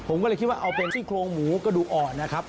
ผมก็เลยคิดว่าเอาเป็นซี่โครงหมูกระดูกอ่อนนะครับ